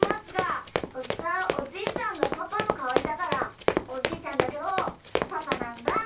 うちはおじいちゃんがパパのかわりだからおじいちゃんだけどパパなんだ。